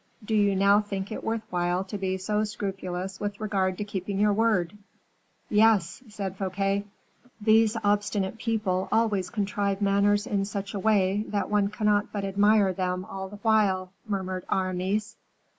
"Do you now think it worth while to be so scrupulous with regard to keeping your word?" "Yes," said Fouquet. "These obstinate people always contrive matters in such a way, that one cannot but admire them all the while," murmured Aramis.